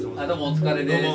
お疲れさまです。